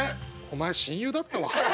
お前親友だったわ」。